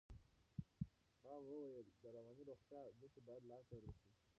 ها وویل د رواني روغتیا ګټې باید لا څېړل شي.